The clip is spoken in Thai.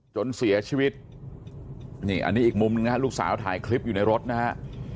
จนเสียชีวิตนี่อันนี้อีกมุมหนึ่งนะฮะลูกสาวถ่ายคลิปอยู่ในรถนะฮะ